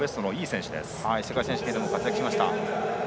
世界選手権でも活躍しました。